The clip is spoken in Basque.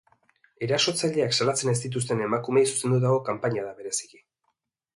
Erasotzaileak salatzen ez dituzten emakumeei zuzendutako kanpaina da bereziki.